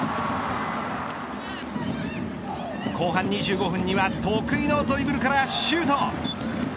後半２５分には得意のドリブルからシュート。